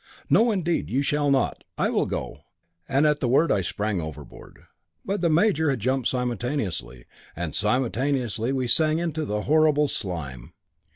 "No, indeed, you shall not. I will go," and at the word I sprang overboard. But the major had jumped simultaneously, and simultaneously we sank in the horrible slime.